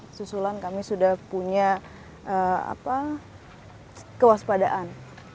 ada gempa susulan kami sudah punya kewaspadaan